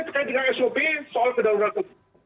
sekai dengan sop soal kedaulatuh